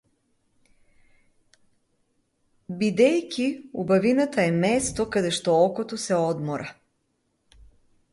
Бидејќи убавината е место каде што окото се одмора.